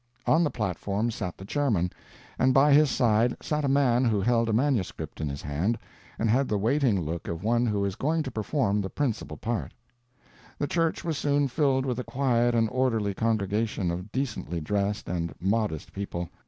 On the platform sat the chairman, and by his side sat a man who held a manuscript in his hand and had the waiting look of one who is going to perform the principal part. The church was soon filled with a quiet and orderly congregation of decently dressed and modest people.